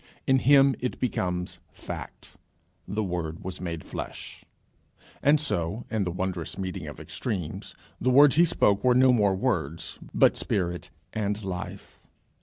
In him it becomes fact: The Word was made flesh. And so, in the wondrous meeting of extremes, the words he spoke were no more words, but spirit and life.